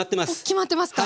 決まってますか！